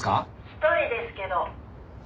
「１人ですけど」